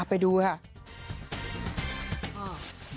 ไปดูค่ะ